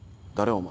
お前。